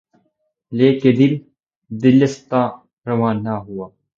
لے کے دل، دلستاں روانہ ہوا